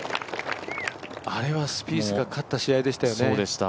あれはスピースが勝った試合でしたよね。